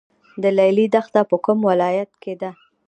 د لیلی دښته په کوم ولایت کې ده؟